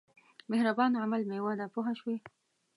مهربان عمل مېوه ده پوه شوې!.